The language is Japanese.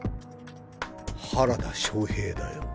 原田正平だよ。